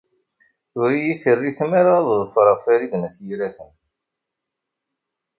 Ur iyi-terri tmara ad ḍefreɣ Farid n At Yiraten.